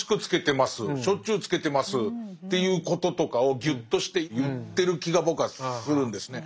しょっちゅうつけてますっていうこととかをぎゅっとして言ってる気が僕はするんですね。